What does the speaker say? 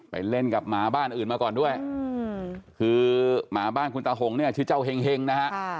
เล่นกับหมาบ้านอื่นมาก่อนด้วยคือหมาบ้านคุณตาหงเนี่ยชื่อเจ้าเห็งนะฮะ